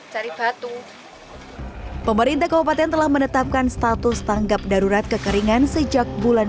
cari batu pemerintah kabupaten telah menetapkan status tanggap darurat kekeringan sejak bulan